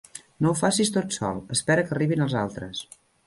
No ho facis tot sol: espera que arribin els altres.